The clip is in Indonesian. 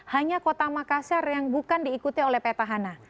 hanya kota makassar yang bukan diikuti oleh petahana